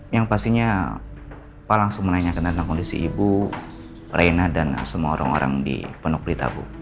yang pastinya pak langsung menanyakan tentang kondisi ibu reina dan semua orang orang di penuh kulit abu